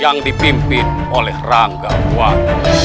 yang dipimpin oleh rangga kuat